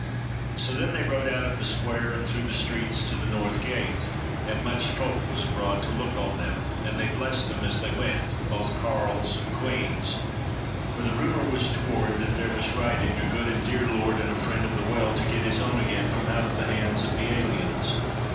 So then they rode out of the Square and through the streets to the North Gate, and much folk was abroad to look on them, and they blessed them as they went, both carles and queans; for the rumour was toward that there was riding a good and dear Lord and a Friend of the Well to get his own again from out of the hands of the aliens.